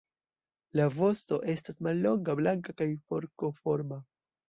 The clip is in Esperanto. La vosto estas mallonga, blanka kaj forkoforma.